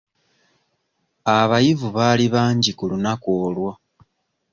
Abayivu baali bangi ku lunaku olwo.